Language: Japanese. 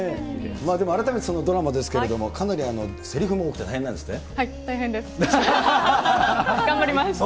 でも改めて、そのドラマですけれども、かなりせりふも多くて大変なんですって？